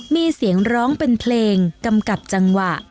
มีเสียงร้องเป็นเพลงกำกับจังหวะ